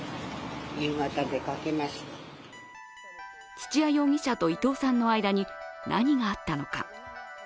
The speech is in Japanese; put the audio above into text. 土屋容疑者と伊藤さんの間に何があったのか。